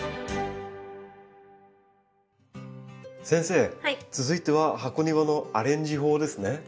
先生続いては箱庭のアレンジ法ですね。